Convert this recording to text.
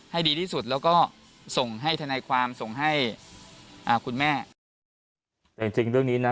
ให้ดีที่สุดแล้วก็ส่งให้ทนายความส่งให้อ่าคุณแม่แต่จริงจริงเรื่องนี้นะ